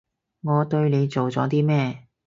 我對你做咗啲咩？